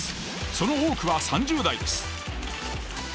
その多くは３０代です。